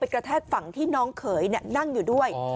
กระแทกฝั่งที่น้องเขยนั่งอยู่ด้วย